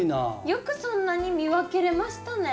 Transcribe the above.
よくそんなに見分けれましたね。